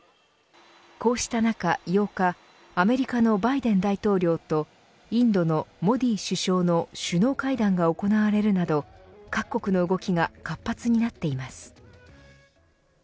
こうした中、８日アメリカのバイデン大統領とインドのモディ首相の首脳会談が行われるなど各国の動きが活発になっています。